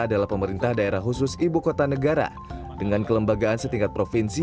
adalah pemerintah daerah khusus ibu kota negara dengan kelembagaan setingkat provinsi